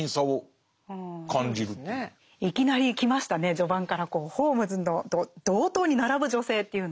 序盤からホームズと同等に並ぶ女性というのは。